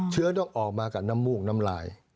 เชื้อต้องออกมากับน้ำมูกน้ำลาย